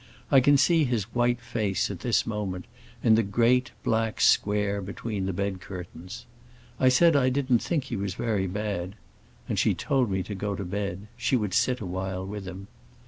I can see his white face, at this moment, in the great black square between the bed curtains. I said I didn't think he was very bad; and she told me to go to bed—she would sit a while with him.